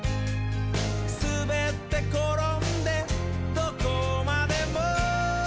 「すべってころんでどこまでも」